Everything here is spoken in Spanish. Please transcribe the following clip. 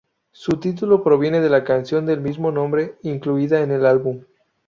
Su título proviene de la canción del mismo nombre incluida en el álbum.